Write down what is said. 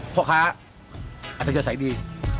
พ่อค้าอาจจะใสดี